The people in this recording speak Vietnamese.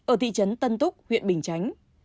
ở thị trấn tân túc huyện bình chánh